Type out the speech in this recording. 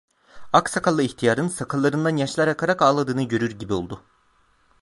Ak sakallı ihtiyarın, sakallarından yaşlar akarak ağladığını görür gibi oldu.